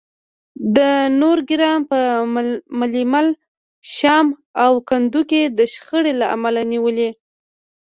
د نورګرام په ملیل، شام او کندو کې د شخړې له امله نیولي